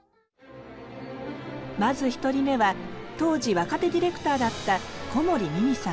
まず１人目は当時若手ディレクターだった小森美巳さん。